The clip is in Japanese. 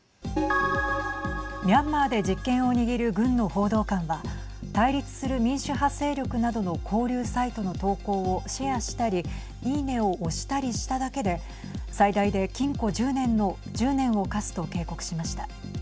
ミャンマーで実権を握る軍の報道官は対立する民主派勢力などの交流サイトの投稿をシェアしたりいいねを押したりしただけで最大で禁錮１０年を科すと警告しました。